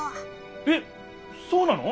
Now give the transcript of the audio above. えっそうなの！？